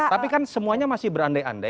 tapi kan semuanya masih berandai andai